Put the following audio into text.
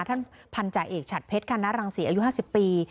ท่านพันธุ์จ่ายเอกฉัดเพชรคันนัตรรังศรีอายุ๕๐ปี